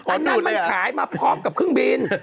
อันนั้นมันขายมาผอมกับคึ่งบิน